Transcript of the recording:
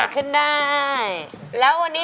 ขึ้นได้แล้ววันนี้